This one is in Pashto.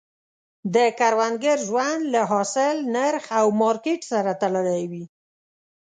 د کروندګر ژوند له حاصل، نرخ او مارکیټ سره تړلی وي.